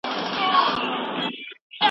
ستا د راتلو د ځواني مرګ اقرار په تمه تمه